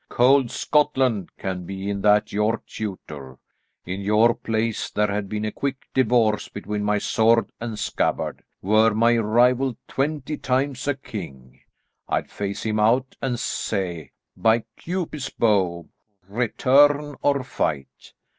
Cold Scotland can be in that your tutor. In your place, there had been a quick divorce between my sword and scabbard. Were my rival twenty times a king, I'd face him out and say, by Cupid's bow, return or fight."